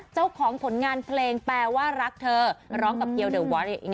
เจ้าของผลงานเพลงแปลว่ารักเธอร้องกับเกียวเดอร์วอริส